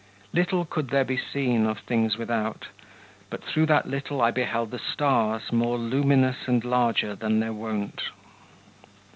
Little could there be seen of things without; But through that little I beheld the stars More luminous and larger than their wont.